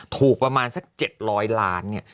ประมาณสัก๗๐๐ล้านเนี่ย